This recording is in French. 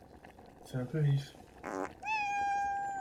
C’est un peu vif !…